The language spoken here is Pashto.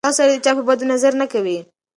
ښه سړی د چا په بدو نظر نه کوي.